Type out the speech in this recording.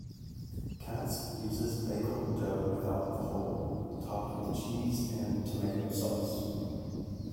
Katz uses bagel dough without the hole, topped with cheese and tomato sauce.